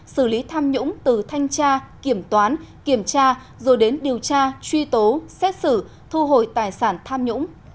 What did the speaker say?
từ thanh tra kiểm toán kiểm tra rồi đến điều tra truy tố xét xử thu hồi tài sản tham nhũng